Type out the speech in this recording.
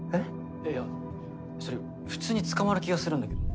いやいやそれ普通に捕まる気がするんだけど。